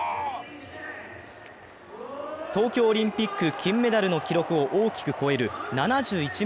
東京オリンピック金メダルの記録を大きく超える７１ｍ２７。